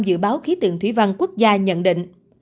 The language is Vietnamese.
dự báo khí tượng thủy văn quốc gia nhận định